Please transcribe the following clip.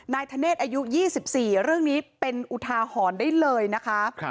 นายธเนธอายุ๒๔เรื่องนี้เป็นอุทาหรณ์ได้เลยนะคะ